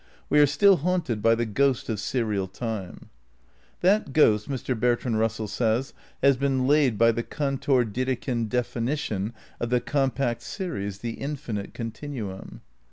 We are still haunted by the oonsid ghost of serial time. ered That ghost, Mr. Bertrand Eussell says, has been laid by the Cantor DedeMnd definition of the compact series, the infinite continuum.